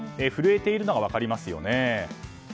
震えているのが分かりますよね。